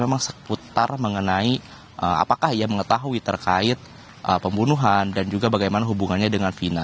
memang seputar mengenai apakah ia mengetahui terkait pembunuhan dan juga bagaimana hubungannya dengan fina